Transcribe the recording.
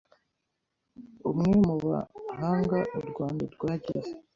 Umwe mubahanga u Rwanda rwagize